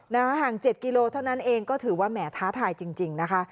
ห่าง๗กิโลเท่านั้นเองก็ถือว่าแหมท้าทายจริงนะคะ